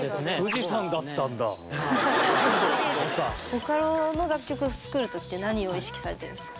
ボカロの楽曲を作る時って何を意識されてるんですか？